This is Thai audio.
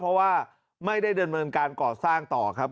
เพราะว่าไม่ได้ดำเนินการก่อสร้างต่อครับ